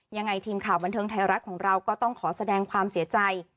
ยังไงทีมข่าวบันเทิงไทยรัฐของเราก็ต้องขอแสดงความเสียใจ